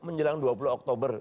menjelang dua puluh oktober